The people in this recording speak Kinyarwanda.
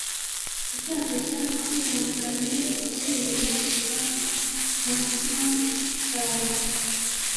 gutakaza kwihangana ni ugutsindwa urugamba. - mahatma gandhi